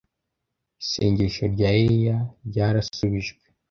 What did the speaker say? Isengesho rya Eliya ryarasubijwe